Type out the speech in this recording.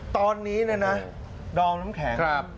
ตอนนี้นะดองน้ำแข็ง